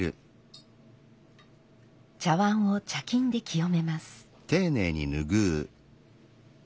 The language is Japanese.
茶碗を茶巾で清めます。